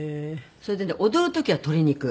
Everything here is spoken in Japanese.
それでね踊る時は鶏肉。